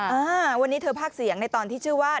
อ่าวันนี้เธอภาคเสียงในตอนที่ชื่อว่า